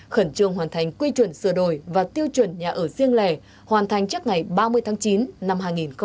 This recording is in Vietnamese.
khẩn trương hoàn thành quy chuẩn sửa đổi và tiêu chuẩn nhà ở riêng lẻ hoàn thành trước ngày ba mươi tháng chín năm hai nghìn hai mươi